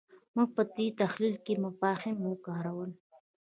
موږ په دې تحلیل کې مفاهیم وکارول.